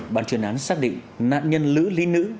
bàn chuyên án xác định nạn nhân lữ lý nữ